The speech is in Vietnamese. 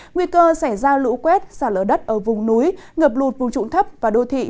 nguy cơ xảy ra lũ quét xả lở đất ở vùng núi ngập lụt vùng trụng thấp và đô thị